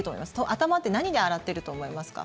頭って何で洗ってると思いますか？